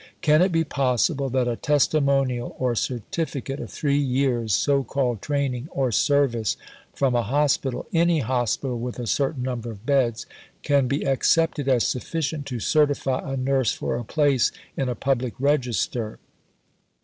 "Can it be possible that a testimonial or certificate of three years' so called training or service from a hospital any hospital with a certain number of beds can be accepted as sufficient to certify a nurse for a place in a public register?